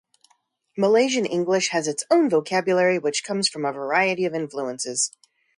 Malaysian English has its own vocabulary which comes from a variety of influences.